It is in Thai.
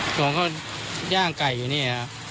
ส่วนเขาย่างไก่อยู่นี่